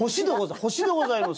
星でございます！